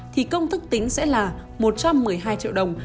thì công thức tính sẽ là một trăm một mươi hai triệu đồng